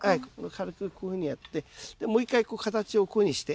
軽くこういうふうにやってでもう一回形をこういうふうにして。